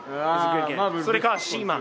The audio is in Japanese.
それか『シーマン』。